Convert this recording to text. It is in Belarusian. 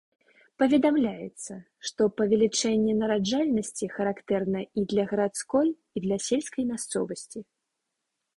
Паведамляецца, што павелічэнне нараджальнасці характэрна і для гарадской, і для сельскай мясцовасці.